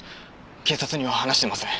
警察には話してません。